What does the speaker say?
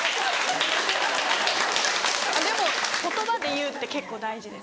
でも言葉で言うって結構大事です。